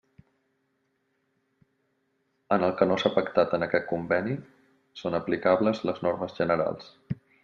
En el que no s'ha pactat en aquest conveni són aplicables les normes generals.